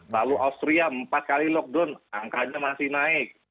lalu austria empat kali lockdown angkanya masih naik